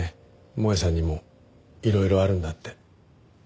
萌絵さんにもいろいろあるんだって。